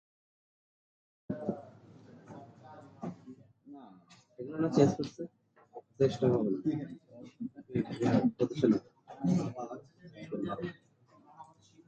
No games were cancelled as a result of the dispute.